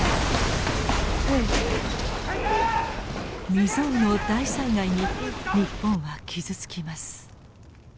未曽有の大災害に日本は傷つきます。